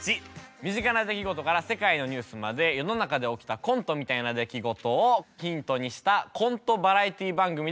身近な出来事から世界のニュースまで世の中で起きたコントみたいな出来事をヒントにしたコントバラエティー番組でございます。